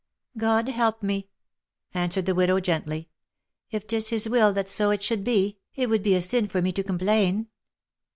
" God help me !" answered the widow gently. " If 'tis his will that so it should be, it would be a sin for me to complain."